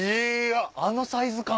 あのサイズ感！